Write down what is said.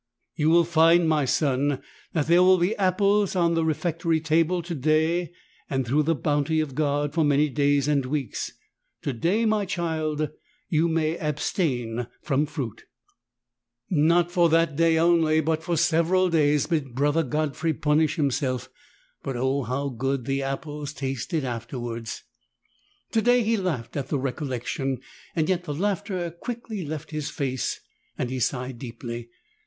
"You will find, my son, that there will be apples on the refectory table to day and, through the bounty of God, for many days and weeks. To day, my child, you may abstain from fruit." 22 Not for that day only, but for several days did Brother Godfrey punish himself : but O how good the apples tasted afterwards ! To day he laughed at the recollection : yet the laughter quickly left his face, and he sighed deeply.